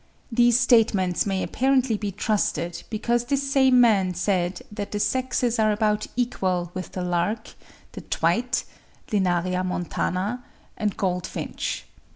These statements may apparently be trusted, because this same man said that the sexes are about equal with the lark, the twite (Linaria montana), and goldfinch.